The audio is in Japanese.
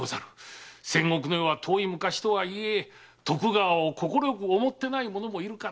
戦国の世は遠い昔とはいえ徳川を快く思ってない者もいるかと。